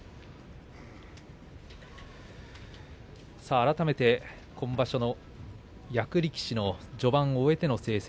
改めて、今場所の役力士の序盤を終えての成績。